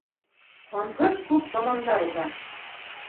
Һанһыҙ күп замандар уҙа.